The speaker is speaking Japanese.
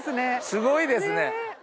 すごいですね。